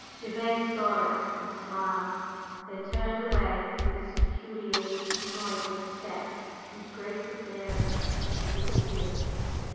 Gervase saw it and smiled; then turning away with his peculiarly noiseless step and grace of bearing, he disappeared.